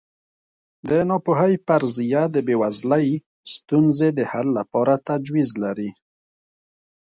د ناپوهۍ فرضیه د بېوزلۍ ستونزې د حل لپاره تجویز لري.